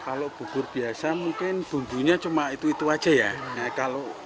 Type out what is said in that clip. kalau bubur biasa mungkin bumbunya cuma itu itu aja ya